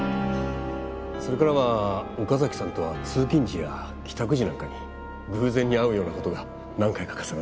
それからは岡崎さんとは通勤時や帰宅時なんかに偶然に会うような事が何回か重なって。